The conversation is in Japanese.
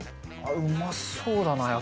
うまそうだな！